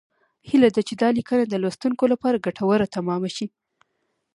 هیله ده چې دا لیکنه د لوستونکو لپاره ګټوره تمامه شي